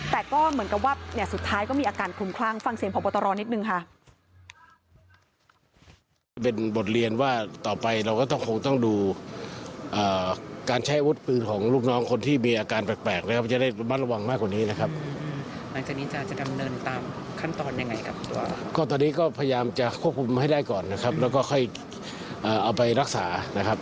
แต่ก็เหมือนกับว่าสุดท้ายก็มีอาการคลุมคลั่งฟังเสียงพบตรนิดนึงค่ะ